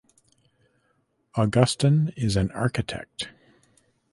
Augustin is an architect.